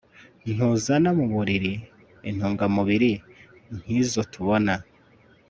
ntuzana mu mubiri intungamubiri nkizo tubona